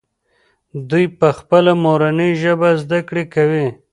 دوی په خپله مورنۍ ژبه زده کړه کوي.